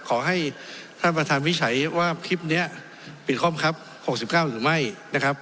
ขอให้ท่านประธานวิจัยว่าคลิปนี้ปิดข้อมังคับ๖๙หรือไม่นะครับ